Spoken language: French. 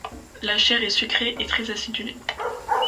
La chair est sucrée et très acidulée.